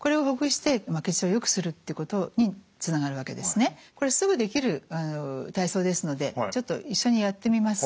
頭支えているこれすぐできる体操ですのでちょっと一緒にやってみますか。